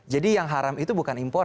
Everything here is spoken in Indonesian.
jadi yang haram itu bukan impor